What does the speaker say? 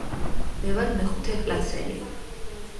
მე ვარ მეხუთე კლასელი